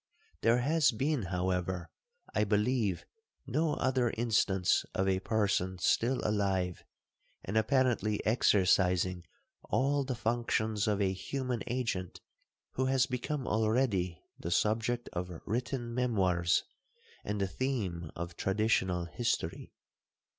There has been, however, I believe, no other instance of a person still alive, and apparently exercising all the functions of a human agent, who has become already the subject of written memoirs, and the theme of traditional history.